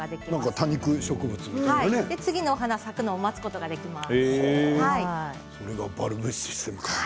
次のお花が咲くのを待つことができます。